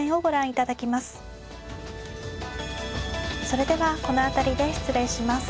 それではこの辺りで失礼します。